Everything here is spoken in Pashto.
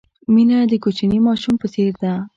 مینه د کوچني ماشوم په څېر ده.